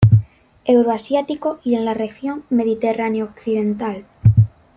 Euroasiático y en la región Mediterránea-occidental.